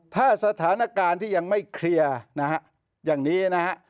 ถ้าสถานการณ์ที่ยังไม่เคลียร์นะฮะอย่างนี้นะฮะ